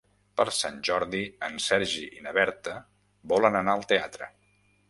Per Sant Jordi en Sergi i na Berta volen anar al teatre.